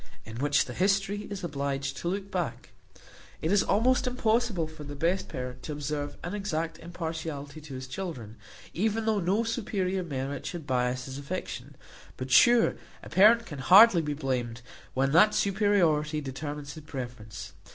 In which the history is obliged to look back. It is almost impossible for the best parent to observe an exact impartiality to his children, even though no superior merit should bias his affection; but sure a parent can hardly be blamed, when that superiority determines his preference.